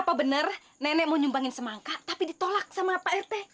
apa benar nenek mau nyumbangin semangka tapi ditolak sama pak ete